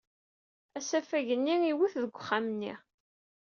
Asafag-nni iwet deg wexxam-nni.